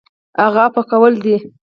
هغه عفوه کول دي .